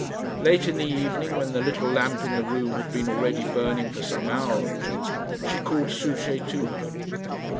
Late in the evening, when the little lamp in the room had been already burning for some hour or two, she called Souchey to her.